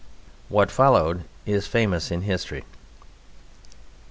What followed is famous in history.